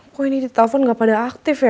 kok ini teteh telepon gak pada aktif ya